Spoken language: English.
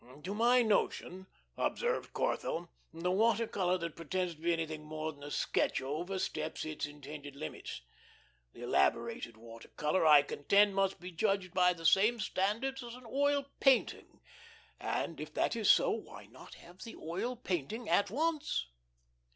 "To my notion," observed Corthell, "the water color that pretends to be anything more than a sketch over steps its intended limits. The elaborated water color, I contend, must be judged by the same standards as an oil painting. And if that is so, why not have the oil painting at once?"